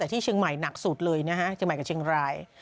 แต่ที่เชียงใหม่หนักสุดเลยนะฮะเชียงใหม่กับเชียงราย